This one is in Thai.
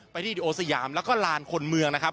ที่ดีโอสยามแล้วก็ลานคนเมืองนะครับ